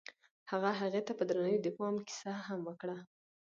هغه هغې ته په درناوي د بام کیسه هم وکړه.